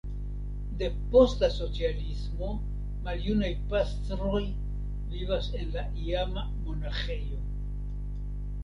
Depost la socialismo maljunaj pastroj vivas en la iama monaĥejo.